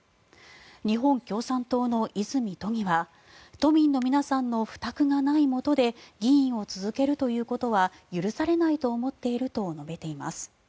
日本共産党の和泉都議は都民の皆さんの負託がないもとで議員を続けるということは許されないと思っていると述べています。